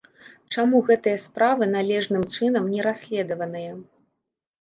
Чаму гэтыя справы належным чынам не расследаваныя?